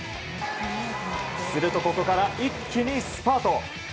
すると、ここから一気にスパート。